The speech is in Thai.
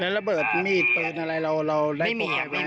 แล้วระเบิดมีดเตือนอะไรเราได้ปล่อยไหม